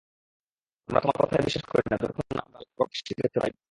আমরা তোমার কথায় বিশ্বাস করি না, যতক্ষণ না আমরা আল্লাহকে প্রকাশ্য দেখতে পাই।